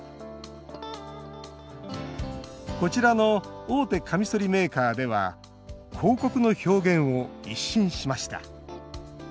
こちらの大手カミソリメーカーでは広告の表現を一新しました